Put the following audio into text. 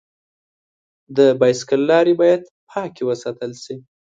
د بایسکل لارې باید پاکې وساتل شي.